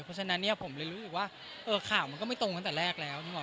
เพราะฉะนั้นผมเลยรู้อีกว่าข่าวมันก็ไม่ตรงตั้งแต่แรกแล้ว